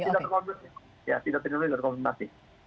ya tidak terkongsi